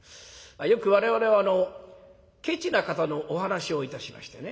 よく我々はケチな方のお噺をいたしましてね。